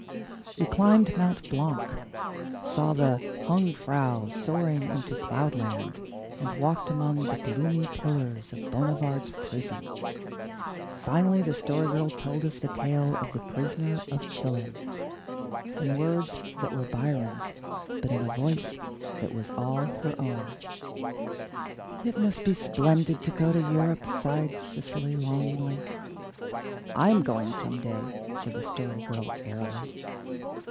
We climbed Mount Blanc, saw the Jungfrau soaring into cloudland, and walked among the gloomy pillars of Bonnivard's prison. Finally, the Story Girl told us the tale of the Prisoner of Chillon, in words that were Byron's, but in a voice that was all her own. "It must be splendid to go to Europe," sighed Cecily longingly. "I am going some day," said the Story Girl airily.